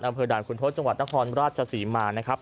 อำเภอใด่อำเภอโพธองจังหวัดนครราชสีมารนนะครับ